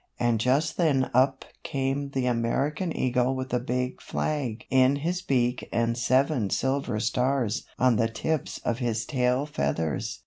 And just then up came the American Eagle with a big flag in his beak and seven silver stars on the tips of his tail feathers.